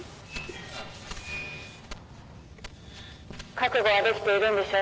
「覚悟はできているんでしょ？」